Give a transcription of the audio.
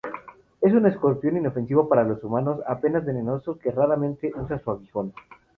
Es un escorpión inofensivo para los humanos, apenas venenoso, que raramente usa su aguijón.